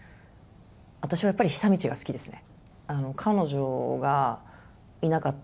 私はやっぱり久通が好きですね。